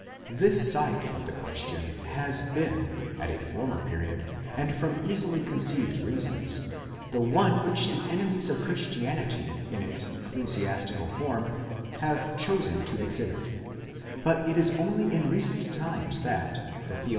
. This side of the question has been, at a former period, and from easily conceived reasons, the one which the enemies of Christianity in its ecclesiastical form, have chosen to exhibit ;* but it is only in recent times that, the theological 1 E.